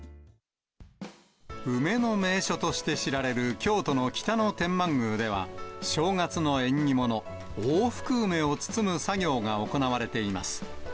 梅の名所として知られる京都の北野天満宮では、正月の縁起物、大福梅を包む作業が行われています。